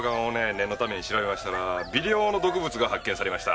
念のために調べましたら微量の毒物が発見されました。